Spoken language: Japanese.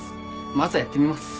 まずはやってみます。